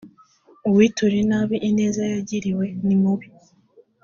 uwitura inabi ineza yagiriwe ni mubi